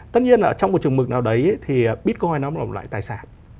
tất nhiên là trong một trường mực nào đấy thì bitcoin nó là một loại tài sản